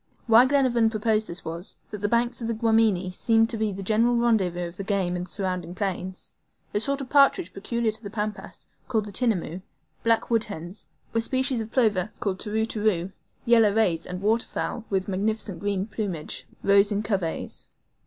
Why Glenarvan proposed this was, that the banks of the Guamini seemed to be the general rendezvous of all the game in the surrounding plains. A sort of partridge peculiar to the Pampas, called TINAMOUS; black wood hens; a species of plover, called TERU TERU; yellow rays, and waterfowl with magnificent green plumage, rose in coveys.